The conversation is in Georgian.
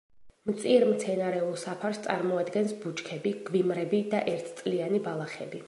მწირ მცენარეულ საფარს წარმოადგენს ბუჩქები, გვიმრები და ერთწლიანი ბალახები.